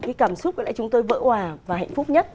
cái cảm xúc chúng tôi vỡ hoà và hạnh phúc nhất